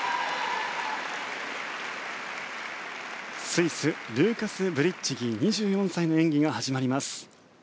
スイス、ルーカス・ブリッチギー２４歳の演技が始まります。